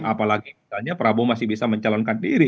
apalagi misalnya prabowo masih bisa mencalonkan diri